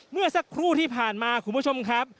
เมื่อสักครู่ที่ผ่านมาคุณผู้ชมครับ